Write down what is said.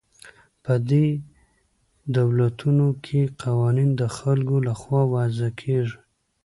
په دې دولتونو کې قوانین د خلکو له خوا وضع کیږي.